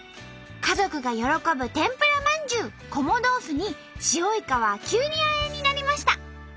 家族が喜ぶ天ぷらまんじゅうこも豆腐に塩いかはきゅうりあえになりました。